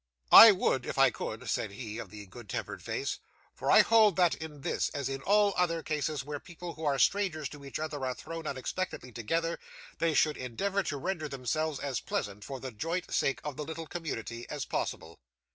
'I would if I could,' said he of the good tempered face; 'for I hold that in this, as in all other cases where people who are strangers to each other are thrown unexpectedly together, they should endeavour to render themselves as pleasant, for the joint sake of the little community, as possible.